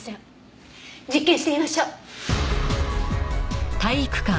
実験してみましょう！